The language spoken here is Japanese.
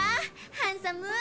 ハンサム！